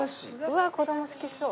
うわー子ども好きそう。